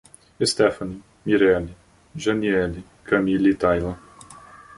Estefany, Mirele, Janiele, Camili e Taila